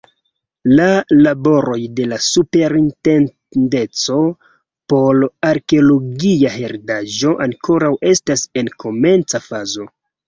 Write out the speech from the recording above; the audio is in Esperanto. La laboroj de la Superintendenco por Arkeologia Heredaĵo ankoraŭ estas en komenca fazo.